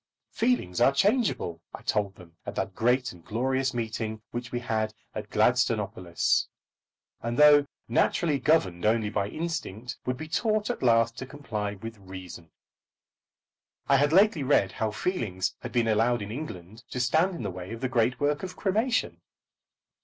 Feelings are changeable, I told them at that great and glorious meeting which we had at Gladstonopolis, and though naturally governed only by instinct, would be taught at last to comply with reason. I had lately read how feelings had been allowed in England to stand in the way of the great work of cremation.